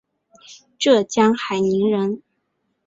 浙江海宁人。